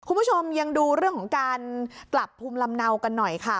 คุณผู้ชมยังดูเรื่องของการกลับภูมิลำเนากันหน่อยค่ะ